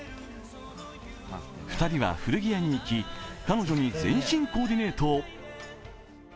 ２人は古着屋に行き、彼女に全身コーディネート。